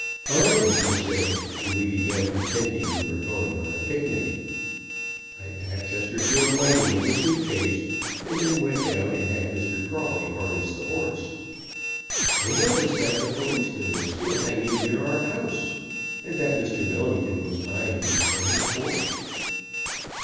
"Fine!" I said, and we began pretending we were going on a picnic. I packed Chesterfield Whiting in the suit case, and then went down and had Mr. Prawley harness the horse. I noticed that the policeman was still hanging near our house, and that Mr. Millington was eyeing me from his porch.